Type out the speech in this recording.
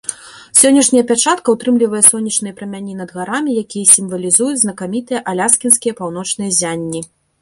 Сённяшняя пячатка ўтрымлівае сонечныя прамяні над гарамі, якія сімвалізуюць знакамітыя аляскінскія паўночныя ззянні.